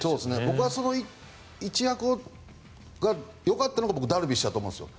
僕はその一役がよかったのがダルビッシュだと思うんですよ。